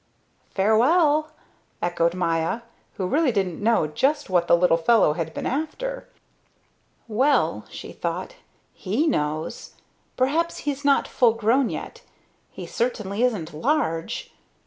"Farewell," echoed Maya, who really didn't know just what the little fellow had been after. "Well," she thought, "he knows. Perhaps he's not full grown yet; he certainly isn't large."